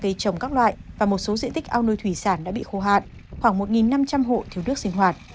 cây trồng các loại và một số diện tích ao nôi thủy sản đã bị khô hạn khoảng một năm trăm linh hộ thiếu nước sinh hoạt